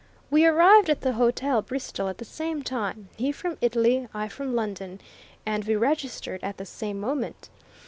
We arrived at the Hotel Bristol at the same time he from Italy, I from London, and we registered at the same moment.